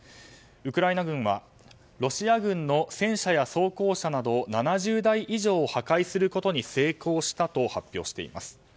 ウクライナ軍はロシア軍の戦車や装甲車など７０台以上を破壊することに成功したと発表しています。